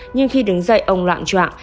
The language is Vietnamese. nhưng khi đứng dậy ông loạn trọng